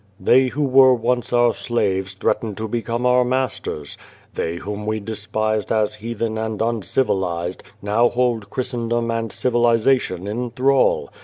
" They who were once our slaves threaten to become our masters. They whom we despised as heathen and uncivilised, now hold Christen dom and civilisation in thrall.